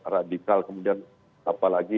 radikal kemudian apalagi